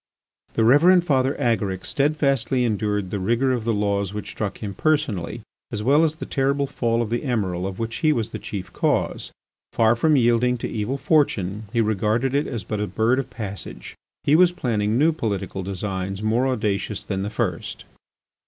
The Reverend Father Agaric steadfastly endured the rigour of the laws which struck himself personally, as well as the terrible fall of the Emiral of which he was the chief cause. Far from yielding to evil fortune, he regarded it as but a bird of passage. He was planning new political designs more audacious than the first.